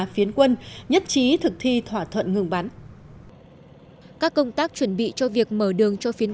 phiến quân nhất trí thực thi thỏa thuận ngừng bắn các công tác chuẩn bị cho việc mở đường cho phiến